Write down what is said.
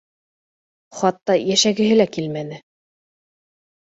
Хатта йәшәгеһе лә килмәне